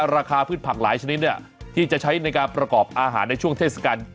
พืชผักหลายชนิดที่จะใช้ในการประกอบอาหารในช่วงเทศกาล